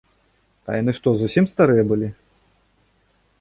А яны што зусім старыя былі?